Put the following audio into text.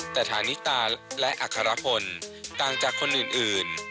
แต่ฐานิตาและอัครพลต่างจากคนอื่น